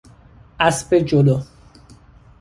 اسب جلو